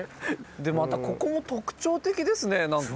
でまたここも特徴的ですねなんか。